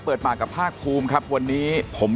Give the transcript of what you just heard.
เปิดปากกับภาคภูมิครับวันนี้ผม